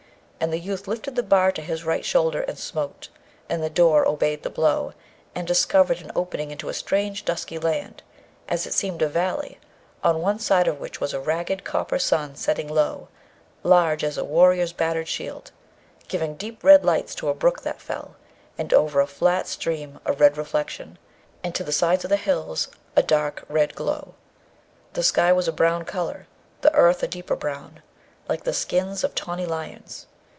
And the youth lifted the bar to his right shoulder, and smote; and the door obeyed the blow, and discovered an opening into a strange dusky land, as it seemed a valley, on one side of which was a ragged copper sun setting low, large as a warrior's battered shield, giving deep red lights to a brook that fell, and over a flat stream a red reflection, and to the sides of the hills a dark red glow. The sky was a brown colour; the earth a deeper brown, like the skins of tawny lions.